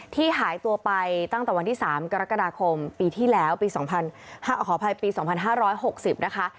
ที่หายตัวไปตั้งแต่วันที่๓กรกฎาคมปีที่แล้วปี๒๕๖๐นะคะ